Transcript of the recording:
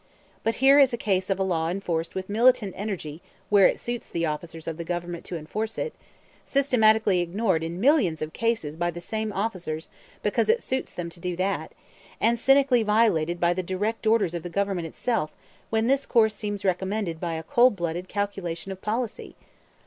But here is a case of a law enforced with militant energy where it suits the officers of the Government to enforce it, systematically ignored in millions of cases by the same officers because it suits them to do that, and cynically violated by the direct orders of the Government itself when this course seems recommended by a cold blooded calculation of policy